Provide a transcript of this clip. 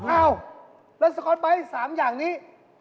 อ้าวแล้วสก๊อตไบท์๓อย่างนี้